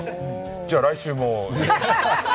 じゃあ来週も。